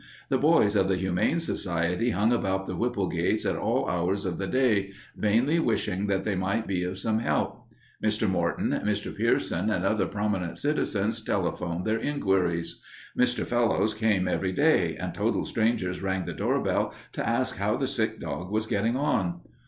The boys of the Humane Society hung about the Whipple gates at all hours of the day, vainly wishing that they might be of some help. Mr. Morton, Mr. Pierson, and other prominent citizens telephoned their inquiries. Mr. Fellowes came every day, and total strangers rang the doorbell to ask how the sick dog was getting on.